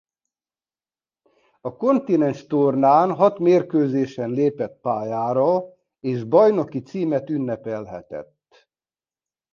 A kontinenstornán hat mérkőzésen lépett pályára és bajnoki címet ünnepelhetett.